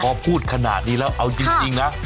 พอพูดขนาดนี้แล้วเอาจริงนะ